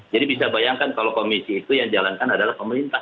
jadi kita bayangkan kalau komisi itu yang dijalankan adalah pemerintah